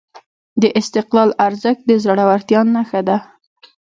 د استقلال ارزښت د زړورتیا نښه ده.